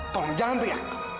tolong jangan teriak